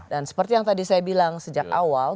dan seperti yang tadi saya bilang sejak awal